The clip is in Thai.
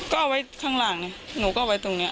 ก็เอาไว้ข้างหลังไงหนูก็เอาไว้ตรงนี้